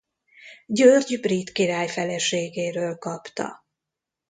György brit király feleségéről kapta.